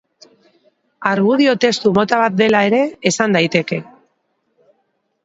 Argudio-testu mota bat dela ere esan daiteke.